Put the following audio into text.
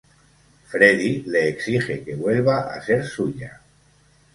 Freddy le exige que vuelva a ser suya.